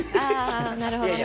なるほどね。